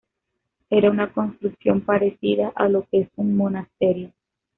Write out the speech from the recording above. Era una construcción parecida a lo que es un monasterio.